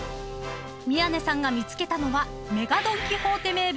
［宮根さんが見つけたのはＭＥＧＡドン・キホーテ名物］